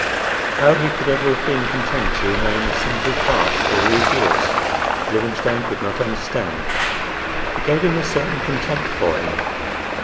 How he could ever have been content to remain a simple clerk all these years, Livingstone could not understand. It gave him a certain contempt for him.